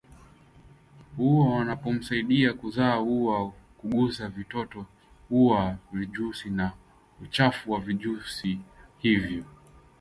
au wanapomsaidia kuzaa au kugusa vitoto au vijusi na uchafu wa vijusi hivyo